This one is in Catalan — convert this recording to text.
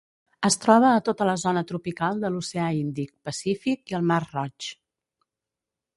Es troba a tota la zona tropical de l'oceà Índic, Pacífic i el Mar Roig.